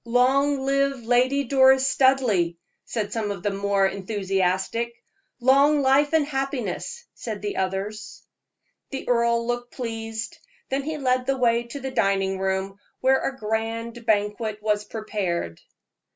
"Long live Lady Doris Studleigh!" said some of the more enthusiastic. "Long life and happiness!" said the others. The earl looked pleased, then he led the way to the dining room, where a grand banquet was prepared.